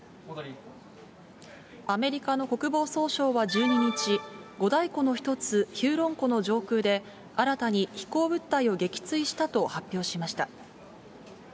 アメリカの国防総省は１２日、五大湖の一つ、ヒューロン湖の上空で、新たに飛行物体を撃墜したと発表しました。